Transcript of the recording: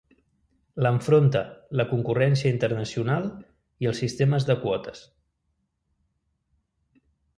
L'enfronta la concurrència internacional i els sistemes de quotes.